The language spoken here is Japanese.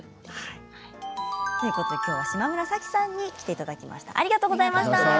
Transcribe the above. きょうは嶋村早樹さんに来ていただきました。